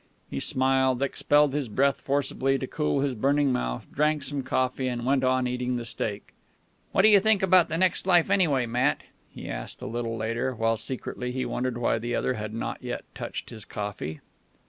He smiled, expelled his breath forcibly to cool his burning mouth, drank some coffee, and went on eating the steak. "What do you think about the next life anyway, Matt?" he asked a little later, while secretly he wondered why the other had not yet touched his coffee.